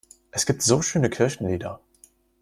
Es gibt so schöne Kirchenlieder!